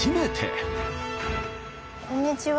こんにちは。